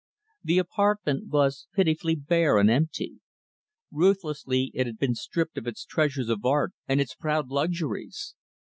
The apartment was pitifully bare and empty. Ruthlessly it had been stripped of its treasures of art and its proud luxuries.